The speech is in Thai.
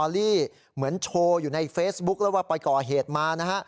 เหมือนโชว์อยู่ในเฟซบุ๊คแล้วว่าไปก่อเหตุมานะฮะ